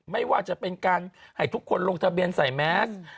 ไม่ว่าจะเป็นการให้ทุกคนลงทะเบียนใส่แมส